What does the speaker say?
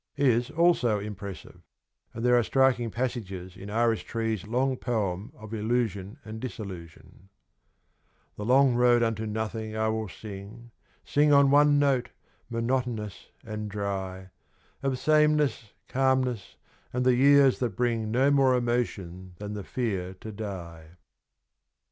is also impressive, and there are striking passages in Iris Tree's long poem of illusion and disillusion : The long road unto nothing I will sing, Sing on one note, monotonous and dry, Of sameness, calmness, and the years that bring No more emotion than the fear to die.